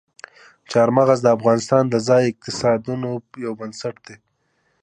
چار مغز د افغانستان د ځایي اقتصادونو یو بنسټ دی.